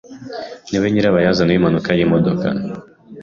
Niwe nyirabayazana w'impanuka y'imodoka.